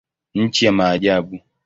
Nchi ya maajabu.